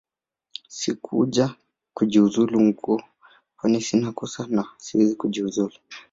Sikuja kujiuzulu ngo kwani sina kosa na siwezi kujiuzulu